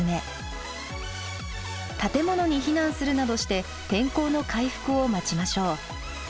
建物に避難するなどして天候の回復を待ちましょう。